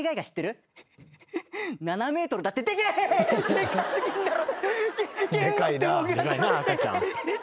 でか過ぎんだろ。